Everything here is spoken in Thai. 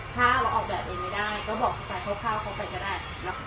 ถ้าเราออกแบบเองไม่ได้ก็บอกสไตล์คร่าวเข้าไปก็ได้